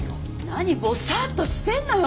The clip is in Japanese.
何ぼさっとしてんのよ！